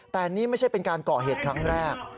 แต่นี่ไม่ใช่เป็นการก่อเหตุครั้งแรก